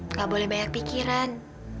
nggak boleh banyak pikiran